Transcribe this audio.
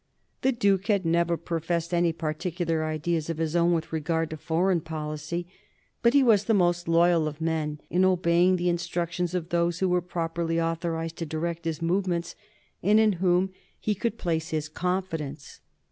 The Duke had never professed any particular ideas of his own with regard to foreign policy, but he was the most loyal of men in obeying the instructions of those who were properly authorized to direct his movements, and in whom he could place his confidence.